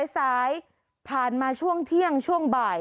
สายผ่านมาช่วงเที่ยงช่วงบ่าย